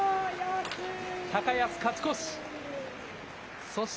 高安、勝ち越し。